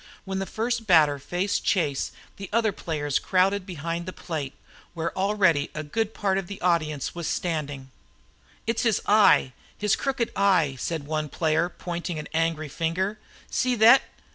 When the first batter faced Chase the other players crowded behind the plate, where already a good part of the audience was standing. "It's his eye, his crooked eye," said one player, pointing an angry finger. "See thet!